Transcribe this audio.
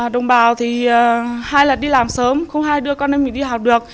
đồng bào thì hai lần đi làm sớm không hai đưa con em mình đi học được